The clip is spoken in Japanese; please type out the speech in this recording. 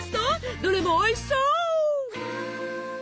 どれもおいしそう！